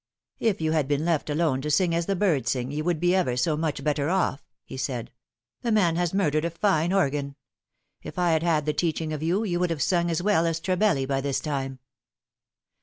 " If you had been left alone to sing as the birds sing you would be ever so much better off," he said ;" the man has murdered a very fine organ. If I had had the teaching of you, you would have sung as well as Trebelli by this time."